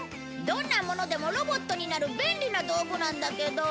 どんなものでもロボットになる便利な道具なんだけど